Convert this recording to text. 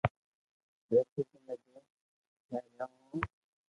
ايڪ سندھ ھي جي ۾ مي رھيو ھون